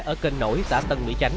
ở kênh nổi xã tân mỹ tránh